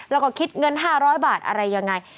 แล้วก็คิดเงิน๕๐๐บาทอะไรยังไง